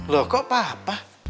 loh kok papa